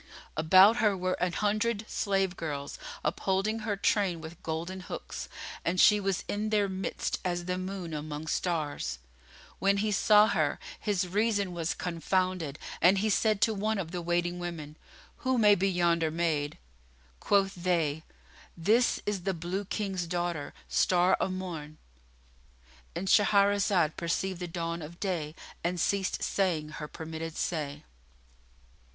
About her were an hundred slave girls, upholding her train with golden hooks, and she was in their midst as the moon among stars. When he saw her, his reason was confounded and he said to one of the waiting women, "Who may be yonder maid?" Quoth they, "This is the Blue King's daughter, Star o' Morn."——And Shahrazad perceived the dawn of day and ceased saying her permitted say.